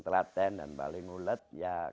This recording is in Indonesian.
kami dari kecil